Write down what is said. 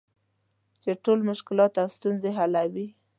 چې ټول مشکلات او ستونزې حلوي .